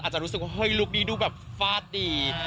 อาจจะรู้สึกว่าเฮ้ยลุคนี้ดูแบบฟาดดี